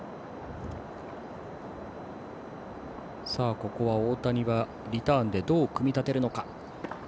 ここは大谷はリターンでどう組みたてるか。